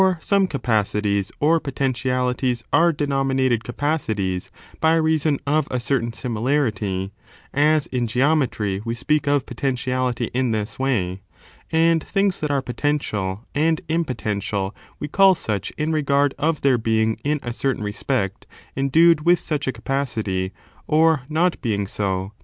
227 some capacities, or potentialities, are denominated capacities by reason of a certain similarity (as in geometry we speak of potentiality in this way), and things that are potential and impotential we call such in regard of their being, in a certain respect, endued with such a capacity, or not being so.